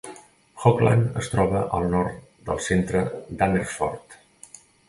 Hoogland es troba al nord del centre d'Amersfoort.